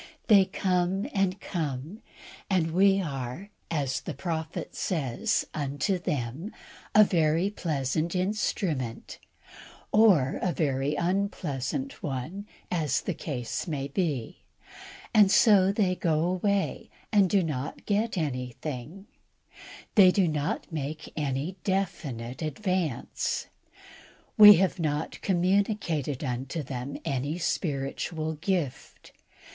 They come and come, and we are, as the Prophet says, unto them a very pleasant instrument, or a very unpleasant one, as the case may be; and so they go away, and do not get anything. They do not make any definite advance. We have not communicated unto them any spiritual gift.